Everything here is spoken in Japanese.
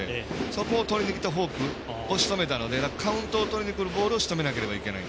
そこをとりにきたフォークをしとめたのでカウントをとりにきたボールをしとめなければいけない。